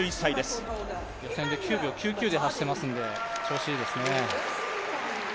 予選で９秒９９で走っていますので、調子いいですね。